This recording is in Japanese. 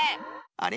あれ？